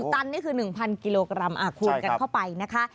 ตันนี่คือ๑๐๐กิโลกรัมคูณกันเข้าไปนะคะ